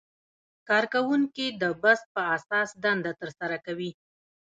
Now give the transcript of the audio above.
کارکوونکي د بست په اساس دنده ترسره کوي.